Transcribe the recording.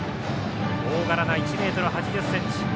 大柄な１ｍ８０ｃｍ。